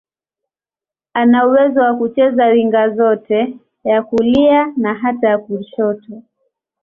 Ana uwezo wa kucheza winga zote, ya kulia na hata ya kushoto.